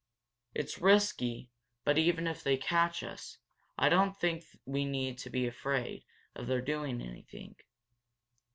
It's risky but even if they catch us, I don't think we need to be afraid of their doing anything."